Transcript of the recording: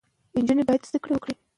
هغه څوک چې زیار باسي پایله یې ویني.